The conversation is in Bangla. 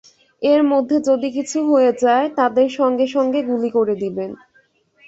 এর মধ্যে যদি কিছু হয়ে যায়, তাদের সঙ্গে সঙ্গে গুলি করে দিবেন।